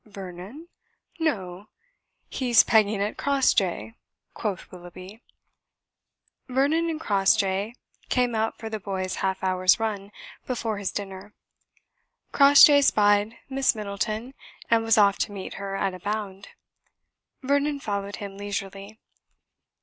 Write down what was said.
"Vernon? No! he's pegging at Crossjay," quoth Willoughby. Vernon and Crossjay came out for the boy's half hour's run before his dinner. Crossjay spied Miss Middleton and was off to meet her at a bound. Vernon followed him leisurely.